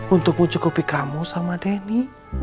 untuk mencukupi kamu sama denny